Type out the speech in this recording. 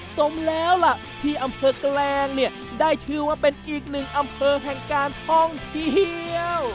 สมแล้วล่ะที่อำเภอแกลงเนี่ยได้ชื่อว่าเป็นอีกหนึ่งอำเภอแห่งการท่องเที่ยว